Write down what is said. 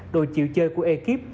đội chịu chơi của ekip